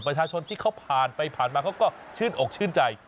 ประชาชนที่เขาผ่านไปผ่านมาเขาก็ชื่นอกชื่นใจ